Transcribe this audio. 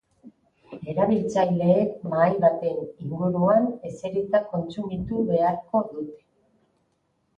Erabiltzaileek mahai baten inguruan eserita kontsumitu beharko dute.